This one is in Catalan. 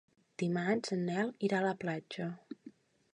Dimarts en Nel irà a la platja.